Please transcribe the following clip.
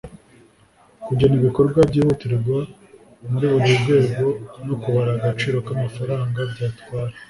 kugena ibikorwa byihutirwa muri buri rwego no kubara agaciro k'amafaranga byatwara,